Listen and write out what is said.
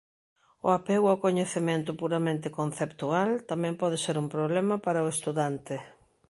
O apego ao coñecemento puramente conceptual tamén pode ser un problema para o estudante.